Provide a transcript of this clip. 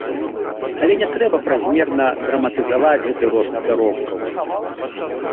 Але не трэба празмерна драматызаваць гэты рост заробкаў.